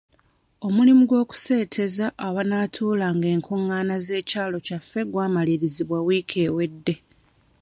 Omulimu gw'okuseeteeza awanaatuulanga enkungaana z'ekyalo kyaffe gwamalirizibwa wiiki ewedde.